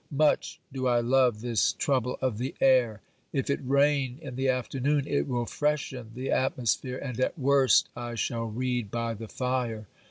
Much do I love this trouble of the air ! If it rain in the afternoon, it will freshen the atmosphere, and at worst I shall read by the fire.